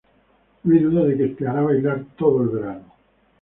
No hay duda de que te hará bailar todo el verano.